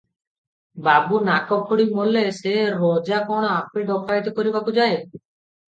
ବାବୁ ନାକଫୋଡି ମଲ୍ଲେ-ସେ ରଜା କଣ ଆପେ ଡକାଏତି କରିବାକୁ ଯାଏ?